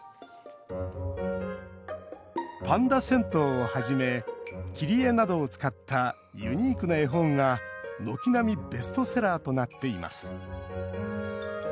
「パンダ銭湯」をはじめ切り絵などを使ったユニークな絵本が軒並みベストセラーとなっています。